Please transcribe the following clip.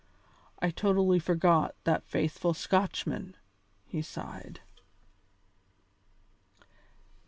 "I totally forgot that faithful Scotchman," he sighed.